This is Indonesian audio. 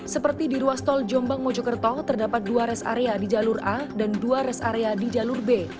seperti di ruas tol jombang mojokerto terdapat dua rest area di jalur a dan dua rest area di jalur b